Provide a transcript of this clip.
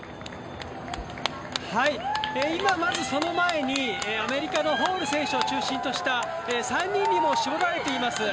今まず、その前にアメリカのホール選手を中心とした３人に絞られています。